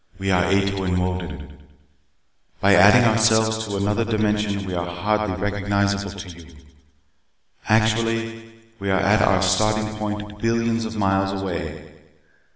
We are Ato and Wolden. By adding ourselves to another dimension we are hardly recognizable to you. Actually, we are at our starting point billions of miles away!